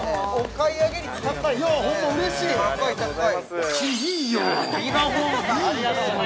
君いいよ。